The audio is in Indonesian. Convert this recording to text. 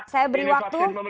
saya beri waktu